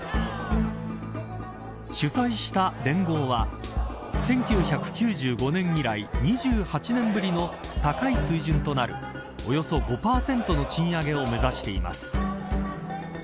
主催した連合は１９９５年以来２８年ぶりの高い水準となるおよそ５％の賃上げを目指しています。